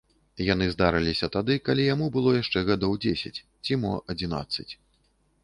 Яны здарыліся тады, калі яму было яшчэ гадоў дзесяць ці мо адзінаццаць.